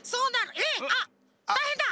えっあったいへんだ！